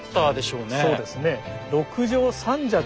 そうですね。